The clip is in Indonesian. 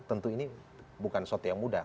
tentu ini bukan sesuatu yang mudah